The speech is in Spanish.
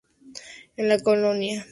En la colonia Nicole vuelve a desaparecer.